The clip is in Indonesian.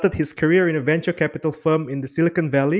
dia memulai karirnya di sebuah firma kapital perusahaan di silicon valley